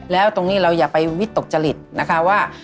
แล้วตรงนี้เราอย่าไปวิตกจริตนะคะว่า